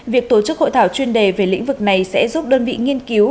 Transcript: việc tổ chức hội thảo chuyên đề về lĩnh vực này sẽ giúp đơn vị nghiên cứu